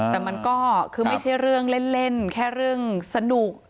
แต่มันก็คือไม่ใช่เรื่องเล่นแค่เรื่องสนุก